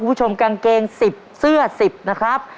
คุณผู้ชมกางเกง๑๐เสื้อ๑๐นะครับ